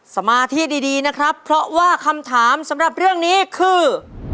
สมาธิดีนะครับเพราะว่าคำถามสำหรับเรื่องนี้คือ